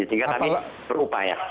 sehingga kami berupaya